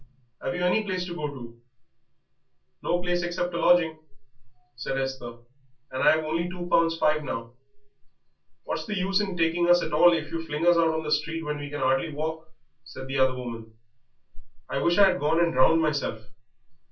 Have you any place to go to?" "No place except a lodging," said Esther; "and I have only two pounds five now." "What's the use in taking us at all if you fling us out on the street when we can hardly walk?" said the other woman. "I wish I had gone and drowned myself.